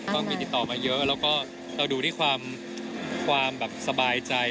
ต้องมีติดต่อมาเยอะแล้วก็เราดูที่ความสบายใจ